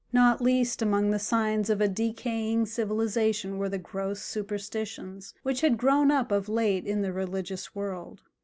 Not least among the signs of a decaying civilization were the gross superstitions which had grown up of late in the religious world.